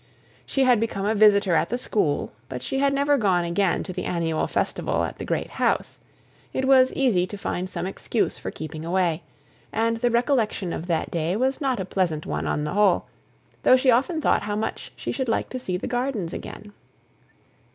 She had become a visitor at the school, but she had never gone again to the annual festival at the great house; it was easy to find some excuse for keeping away, and the recollection of that day was not a pleasant one on the whole, though she often thought how much she should like to see the gardens again.